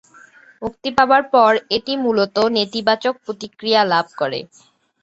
মুক্তি পাবার পর এটি মূলত নেতিবাচক প্রতিক্রিয়া লাভ করে।